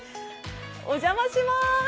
お邪魔します。